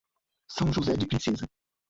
São José de Princesa